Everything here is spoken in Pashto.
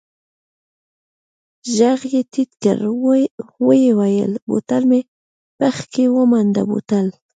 ږغ يې ټيټ کړ ويې ويل بوتل مې پکښې ومنډه بوتل.